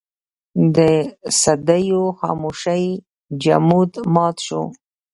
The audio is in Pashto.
د صدېو خاموشۍ جمود مات شو.